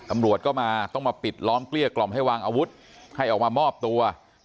ตำรวจก็มาต้องมาปิดล้อมเกลี้ยกล่อมให้วางอาวุธให้ออกมามอบตัว